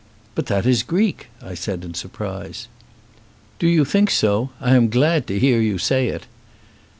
"But that is Greek," I said, in surprise. "Do you think so? I am glad to hear you say it."